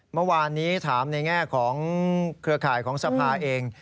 เมื่อวานนี้ถามในแง่ของเครือข่ายของสภาเอง